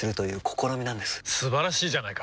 素晴らしいじゃないか！